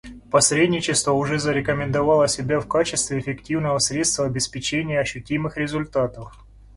Посредничество уже зарекомендовало себя в качестве эффективного средства обеспечения ощутимых результатов.